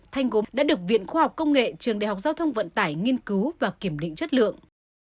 thanh gốm đã được viện khoa học công nghệ trường đại học giao thông vận tải nghiên cứu và kiểm định chất lượng